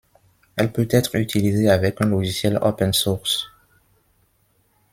Elle peut être utilisée avec un logiciel Open source.